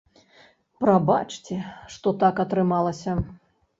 Прабачце, што так атрымалася.